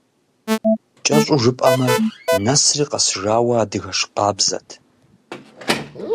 КӀэщӀу жыпӀэмэ, нэсри къэсыжауэ адыгэш къабзэт.